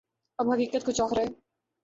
اب حقیقت کچھ اور ہے۔